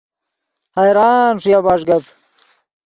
حیران ݰویا بݰ گپ